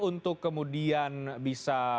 untuk kemudian bisa